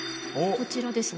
こちらですね。